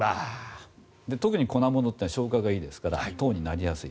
特に粉物というのは消化がいいですから糖になりやすい。